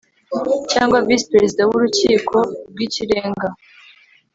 cyangwa visi perezida w urukiko rw ikirenga